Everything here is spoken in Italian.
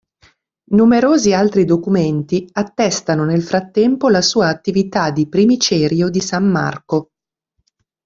Numerosi altri documenti attestano nel frattempo la sua attività di primicerio di San Marco.